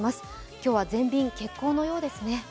今日は全便欠航のようですね。